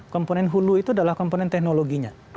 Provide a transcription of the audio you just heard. komponen hulu itu adalah komponen teknologinya